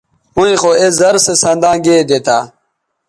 ھویں خو اے زر سو سنداں گیدے تھا